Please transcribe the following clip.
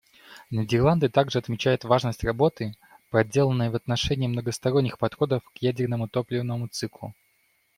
Нидерланды также отмечают важность работы, проделанной в отношении многосторонних подходов к ядерному топливному циклу.